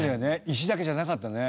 石だけじゃなかったね。